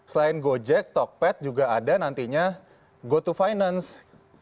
selain gojek tokpad juga ada nantinya goto finance